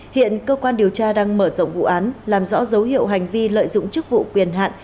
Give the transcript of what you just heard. hiện cơ quan điều tra đang mở rộng vụ án làm rõ dấu hiệu hành vi lợi dụng chức vụ quyền hạn